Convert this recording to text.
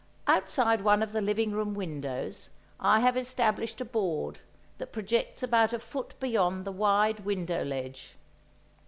Outside one of the living room windows I have established a board that projects about a foot beyond the wide window ledge.